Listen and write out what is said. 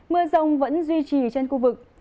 mưa rông vẫn duy trì trên khu vực